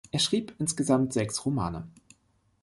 Er schrieb insgesamt sechs Romane.